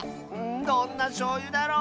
どんなしょうゆだろう。